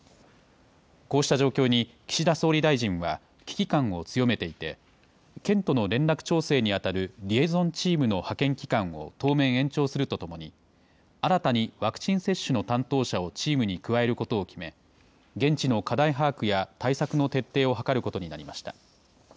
こうした状況に岸田総理大臣は危機感を強めていて、県との連絡調整に当たるリエゾンチームの派遣期間を当面延長するとともに、新たにワクチン接種の担当者をチームに加えることを決め、現地の課題把握や対策の徹底を図ることになりました。